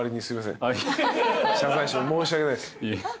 申し訳ないです。